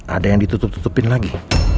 ada yang ditutup tutupin lagi